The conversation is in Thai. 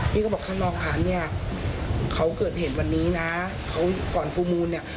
พี่ก็บอกท่านรองค่ะเนี่ยเขาเกิดเหตุวันนี้นะเขาก่อนฟูลมูลเนี่ย